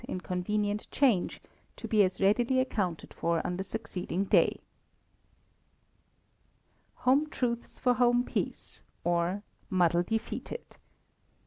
in convenient change, to be as readily accounted for on the succeeding day. Home Truths for Home Peace; or, _Muddle Defeated.